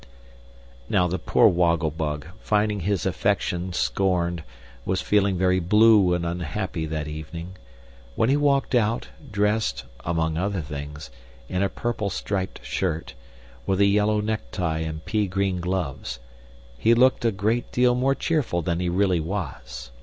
Now the poor Woggle Bug, finding his affection scorned, was feeling very blue and unhappy that evening, When he walked out, dressed (among other things) in a purple striped shirt, with a yellow necktie and pea green gloves, he looked a great deal more cheerful than he really was.